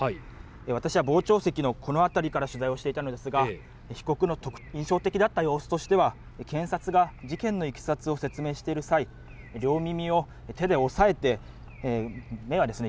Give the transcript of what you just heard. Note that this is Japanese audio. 私は傍聴席のこの辺りから取材をしていたのですが被告の印象的だった様子としては検察が事件のいきさつを説明している際両耳を手で抑えて目はですね